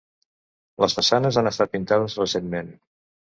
Les façanes han estat pintades recentment.